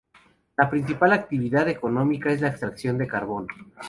La principal actividad económica es la extracción de carbón.